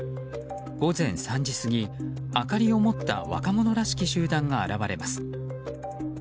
午前３時過ぎ、明かりを持った若者らしき集団が現れます。